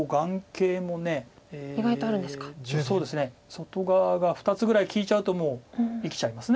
外側が２つぐらい利いちゃうともう生きちゃいます。